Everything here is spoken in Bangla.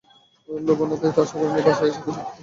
লুবনা এতটা আশা করেনি, বাসায় এসে খুশিতে তার মুখটা ঝলমল করছে।